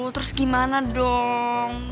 terus gimana dong